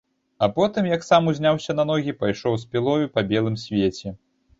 А потым, як сам узняўся на ногі, пайшоў з пілою па белым свеце.